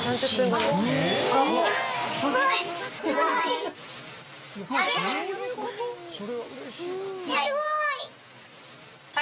すごい！